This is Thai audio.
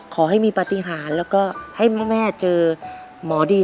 ขอให้มีปฏิหารแล้วก็ให้แม่เจอหมอดี